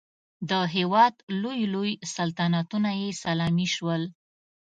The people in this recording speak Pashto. د دنیا لوی لوی سلطنتونه یې سلامي شول.